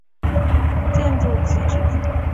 其他夯土台和地下夯土基址也都是古建筑基址。